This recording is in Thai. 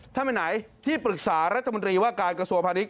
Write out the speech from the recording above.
ไปไหนที่ปรึกษารัฐมนตรีว่าการกระทรวงพาณิช